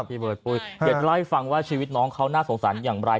พี่เบิร์ดปุ้ยเดี๋ยวเล่าให้ฟังว่าชีวิตน้องเขาน่าสงสารอย่างไร